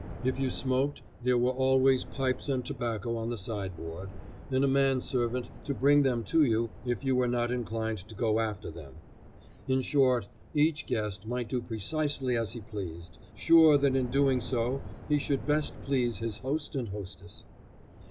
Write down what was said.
If you smoked, there were always pipes and tobacco on the sideboard, and a man servant to bring them to you if you were not inclined to go after them. In short, each guest might do precisely as he pleased, sure that in doing so he should best please his host and hostess.